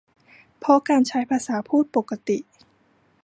เพราะการใช้ภาษาพูดปกติ